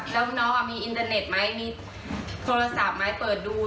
แล้วน้องมีอินเทอร์เน็ตไหมมีโทรศัพท์ไหมเปิดดู